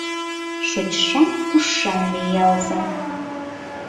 Шочшан-кушшан лиялза!